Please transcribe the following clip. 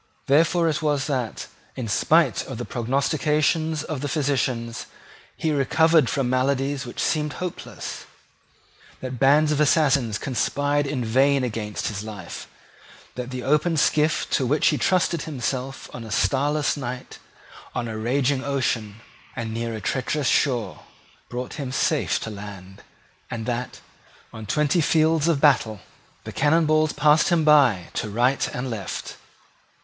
Therefore it was that, in spite of the prognostications of physicians, he recovered from maladies which seemed hopeless, that bands of assassins conspired in vain against his life, that the open skiff to which he trusted himself on a starless night, on a raging ocean, and near a treacherous shore, brought him safe to land, and that, on twenty fields of battle, the cannon balls passed him by to right and left.